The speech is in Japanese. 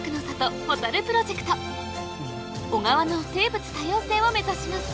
小川の生物多様性を目指します